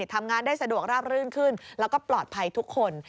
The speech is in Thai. ทำงานได้สะดวกราบรื่นขึ้นแล้วก็ปลอดภัยทุกคน